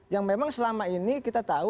yang memang selama ini kita tahu